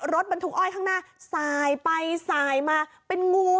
รถบรรทุกอ้อยข้างหน้าสายไปสายมาเป็นงู